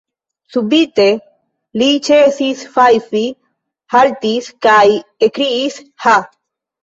Subite li ĉesis fajfi, haltis kaj ekkriis: ha!